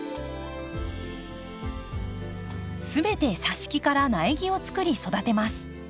全てさし木から苗木をつくり育てます。